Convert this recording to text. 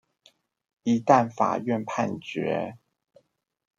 一旦法院判決